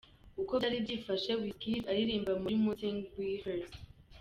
Uko byari byifashe Wizkid aririmba muri Mutzig Beer Fest.